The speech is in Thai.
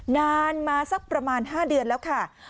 นานมาสักประมาณ๕เดือนแล้วค่ะ